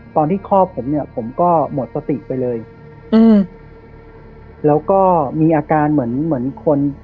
คอบผมเนี่ยผมก็หมดสติไปเลยอืมแล้วก็มีอาการเหมือนเหมือนคน